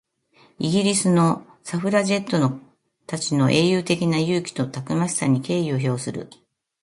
イギリスのサフラジェットたちの英雄的な勇気とたくましさには敬意を表する。